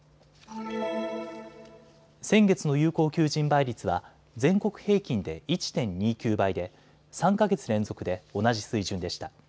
先月の有効求人倍率は全国平均で１．２９倍で３か月連続で同じ水準でした。